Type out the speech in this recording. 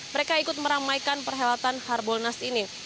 mereka ikut meramaikan perhelatan harbolnas ini